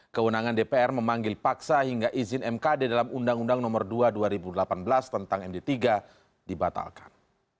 kewenangan dpr memanggil paksa hingga izin mkd dalam undang undang nomor dua dua ribu delapan belas tentang md tiga dibatalkan